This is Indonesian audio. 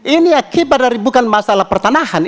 ini akibat dari bukan masalah pertanahan